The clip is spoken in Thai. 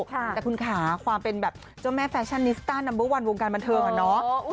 แต่คุณขาความเป็นแบบเจ้าแม่แฟชั่นนิสต้านัมเบอร์วันวงการบันเทิงอะเนาะ